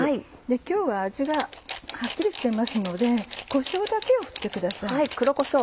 今日は味がはっきりしていますのでこしょうだけを振ってください。